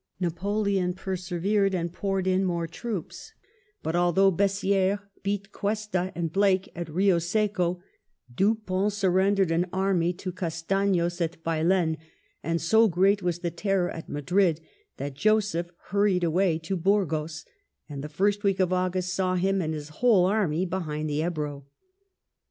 Napoleon persevered, and poured in more troops ; but although B^ssi^res beat Cuesta and Blake at Eio Seco, Dupont surrendered an army to Castan5s at Baylen, and so great was the terror at Madrid that Joseph hurried away to Burgos, and the first week of August saw him and his whole army behind the Ebro.